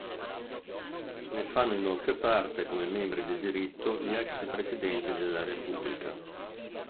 Ne fanno inoltre parte come membri di diritto gli ex presidenti della Repubblica.